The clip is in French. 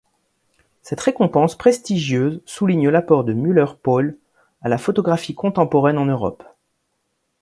Cette récompense prestigieuse souligne l’apport de Müller-Pohle à la photographie contemporaine en Europe.